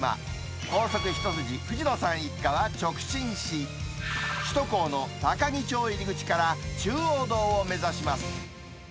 高速一筋藤野さん一家は直進し、首都高の高樹町入口から中央道を目指します。